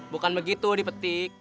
bukan begitu dipetik